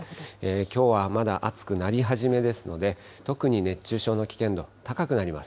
きょうはまだ暑くなり始めですので、特に熱中症の危険度高くなります。